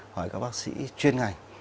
hỏi các bác sĩ chuyên ngành